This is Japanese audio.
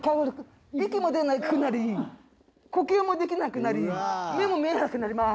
息も出なくなり呼吸もできなくなり目も見えなくなります。